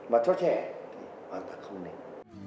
và cho trẻ thì hoàn toàn không nên